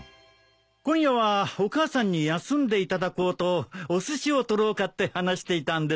今夜はお母さんに休んでいただこうとおすしを取ろうかって話していたんです。